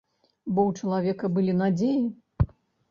Бо ў чалавека былі надзеі.